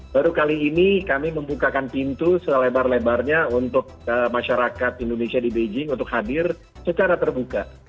baru kali ini kami membukakan pintu selebar lebarnya untuk masyarakat indonesia di beijing untuk hadir secara terbuka